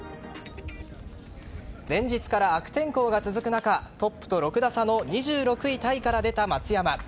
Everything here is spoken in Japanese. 前日から悪天候が続く中トップと６打差の２６位タイから出た松山。